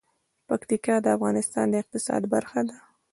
پکتیکا د افغانستان د اقتصاد برخه ده.